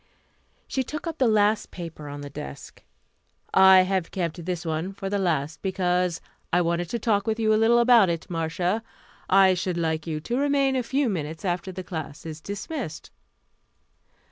She took up the last paper on the desk. "I have kept this one for the last because I wanted to talk with you a little about it, Marcia. I should like you to remain a few minutes after the class is dismissed."